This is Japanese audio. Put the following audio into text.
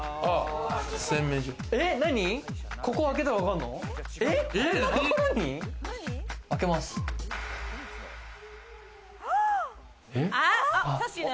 ここ開けたらわかるの？